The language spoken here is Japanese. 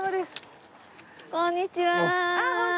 こんにちは！